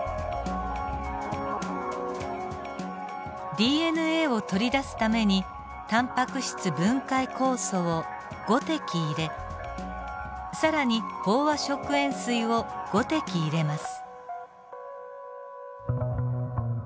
ＤＮＡを取り出すためにタンパク質分解酵素を５滴入れ更に飽和食塩水を５滴入れます。